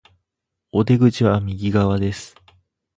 お出口は右側です